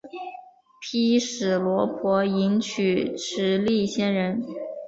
毗尸罗婆迎娶持力仙人。